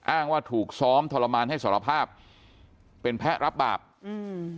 อ้างว่าถูกซ้อมทรมานให้สารภาพเป็นแพ้รับบาปอืม